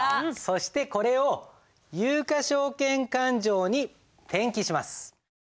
そしてこれを有価証券勘定に転記します。